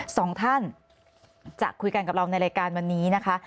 สองท่านจะคุยกันกับเราในรายการวันนี้นะคะ